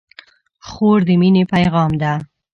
خور د مینې پیغام ده.